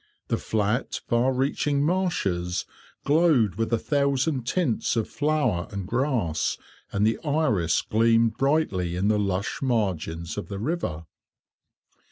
The flat, far reaching marshes glowed with a thousand tints of flower and grass, and the iris gleamed brightly in the lush margins of the river.